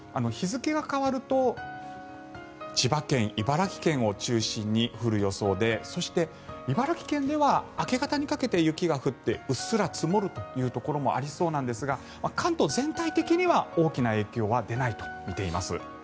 日付が変わると千葉県、茨城県を中心に降る予想でそして、茨城県では明け方にかけて雪が降ってうっすら積もるというところもありそうなんですが関東全体的には大きな影響は出ないとみています。